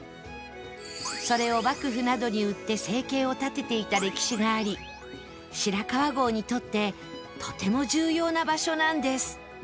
それを幕府などに売って生計を立てていた歴史があり白川郷にとってとても重要な場所なんです